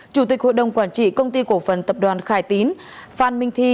chủ tịch hội đồng quản trị công ty cổ phần tập đoàn khải tín phan minh thi